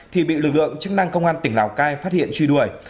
thì bị lực lượng chức năng công an tỉnh lào cai phát hiện truy đuổi